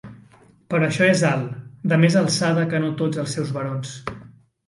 Per això és alt, de més alçada que no tots els seus barons.